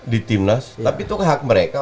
di timnas tapi itu kan hak mereka